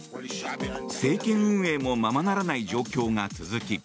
政権運営もままならない状況が続き